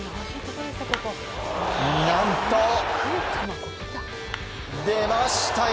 何と出ましたよ。